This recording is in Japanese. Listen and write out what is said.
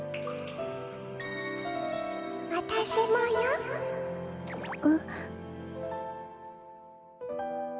わたしもよ。えっ。